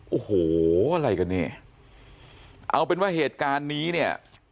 โอ้โหอะไรกันเนี่ยเอาเป็นว่าเหตุการณ์นี้เนี่ย